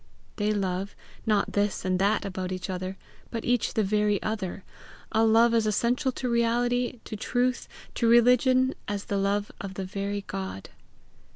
They love, not this and that about each other, but each the very other a love as essential to reality, to truth, to religion, as the love of the very God.